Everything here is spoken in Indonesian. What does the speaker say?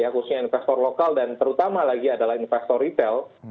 khususnya investor lokal dan terutama lagi adalah investor retail